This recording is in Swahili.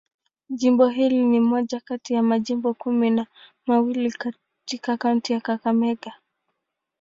Jimbo hili ni moja kati ya majimbo kumi na mawili katika kaunti ya Kakamega.